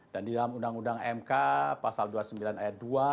dan di dalam undang undang mk pasal dua puluh sembilan ayat dua